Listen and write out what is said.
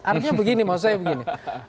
artinya begini maksud saya begini